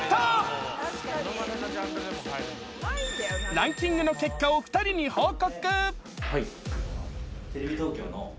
ランキングの結果を２人に報告。